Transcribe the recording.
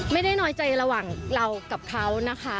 ไม่ได้น้อยใจระหว่างเรากับเขานะคะ